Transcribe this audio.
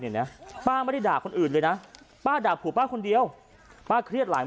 นะป้าไม่ได้ด่าคนอื่นเลยนะป้าด่าผัวป้าคนเดียวป้าเครียดหลาย